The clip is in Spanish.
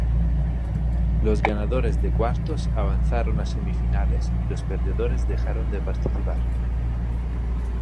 Los ganadores de cuartos avanzaron a semifinales y los perdedores dejaron de participar.